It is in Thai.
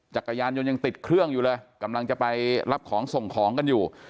จักรยานยนต์ยังติดเครื่องอยู่เลยกำลังจะไปรับของส่งของกันอยู่